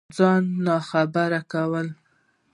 ځان ناخبره كول